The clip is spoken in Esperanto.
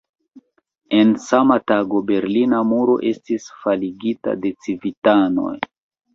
En sama tago, Berlina muro estis faligita de civitanoj.